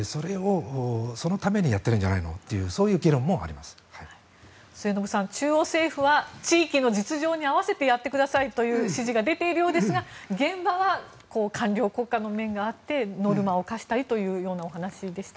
そのためにやってるんじゃないのという末延さん、中央政府は地域の実情に合わせてやってくださいという指示が出ているようですが現場は官僚国家の面があってノルマを課したいというようなお話でした。